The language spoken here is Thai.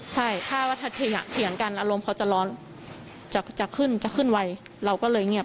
ใช่ถ้าว่าถ้าขยะเถียงกันอารมณ์เขาจะร้อนจะขึ้นจะขึ้นไวเราก็เลยเงียบ